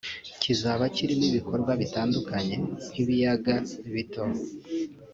Kizaba kirimo ibikorwa bitandukanye nk’ibiyaga bito